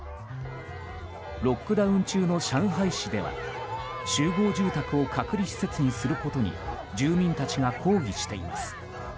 ロックダウン中の上海市では集合住宅を隔離施設にすることに住民たちが抗議しています。